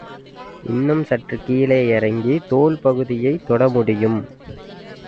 இன்னும் சற்று கீழே இறக்கி, தோள் பகுதியையும் தொட முடியும்.